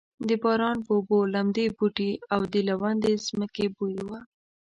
د باران په اوبو لمدې بوټې او د لوندې ځمکې بوی و.